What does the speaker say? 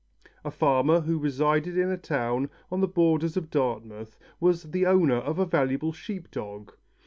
] A farmer who resided in a town on the borders of Dartmoor was the owner of a valuable sheep dog.